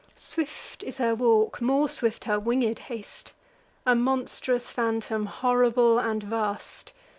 Swift is her walk, more swift her winged haste: A monstrous phantom, horrible and vast.